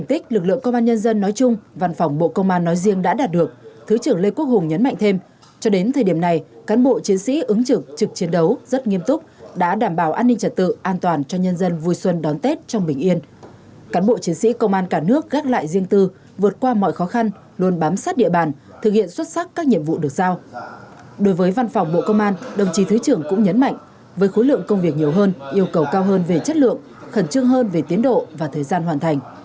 đối với văn phòng bộ công an đồng chí thứ trưởng cũng nhấn mạnh với khối lượng công việc nhiều hơn yêu cầu cao hơn về chất lượng khẩn trương hơn về tiến độ và thời gian hoàn thành